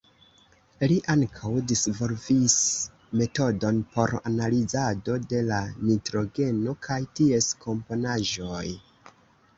Li ankaŭ disvolvis metodon por analizado de la nitrogeno kaj ties komponaĵoj.